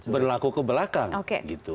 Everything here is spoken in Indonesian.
berlaku ke belakang gitu